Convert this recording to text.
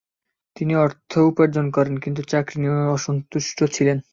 তিনি অর্থ উপার্জন করেন, কিন্তু চাকরি নিয়ে অসন্তুষ্ট ছিলেন।